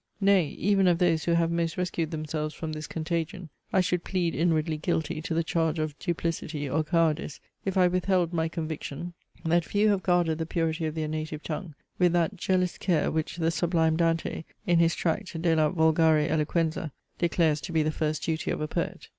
Nay, even of those who have most rescued themselves from this contagion, I should plead inwardly guilty to the charge of duplicity or cowardice, if I withheld my conviction, that few have guarded the purity of their native tongue with that jealous care, which the sublime Dante in his tract De la volgare Eloquenza, declares to be the first duty of a poet.